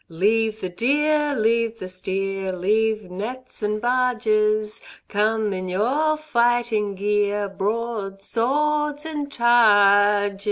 Leave the deer, leave the steer, Leave nets and barges; Come in your fighting gear, Broad swords and t a r ges.